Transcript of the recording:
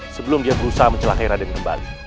sebelum dia berusaha mencelakai raden kembali